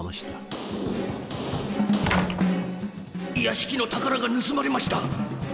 物音屋敷の宝が盗まれました！